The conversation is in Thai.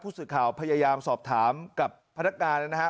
สื่อข่าวพยายามสอบถามกับพนักงานนะครับ